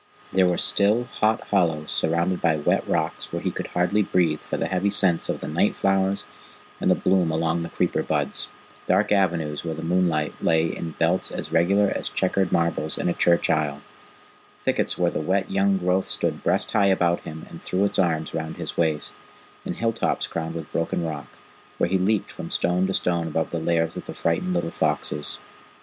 There were still, hot hollows surrounded by wet rocks where he could hardly breathe for the heavy scents of the night flowers and the bloom along the creeper buds; dark avenues where the moonlight lay in belts as regular as checkered marbles in a church aisle; thickets where the wet young growth stood breast high about him and threw its arms round his waist; and hilltops crowned with broken rock, where he leaped from stone to stone above the lairs of the frightened little foxes.